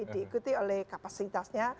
diikuti oleh kapasitasnya